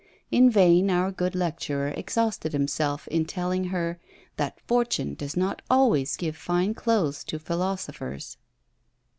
In vain our good lecturer exhausted himself in telling her, that fortune does not always give fine clothes to philosophers.